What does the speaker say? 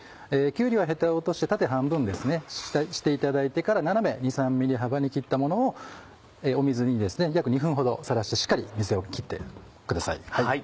きゅうりはヘタを落として縦半分にしていただいてから斜め２３ｍｍ幅に切ったものを水に約２分ほどさらしてしっかり水を切ってください。